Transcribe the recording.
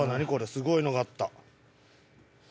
すごいのがあった。